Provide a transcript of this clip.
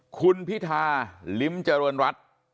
ค่ะ